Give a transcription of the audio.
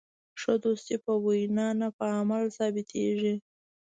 ښه دوستي په وینا نه، په عمل ثابتېږي.